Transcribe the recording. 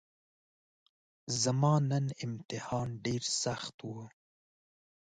زما نن امتحان ډیرسخت وو